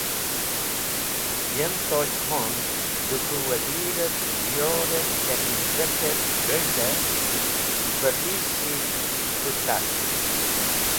Yem Tosh Khon dẽ k̃hũ Wazir et diyor et kanizek et reg̃hde beh pish-e k̃hũ tat.